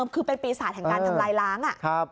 คือเป็นปีศาจแห่งการทำลายล้าง